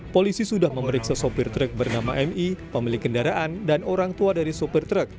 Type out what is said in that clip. polisi sudah memeriksa sopir truk bernama mi pemilik kendaraan dan orang tua dari sopir truk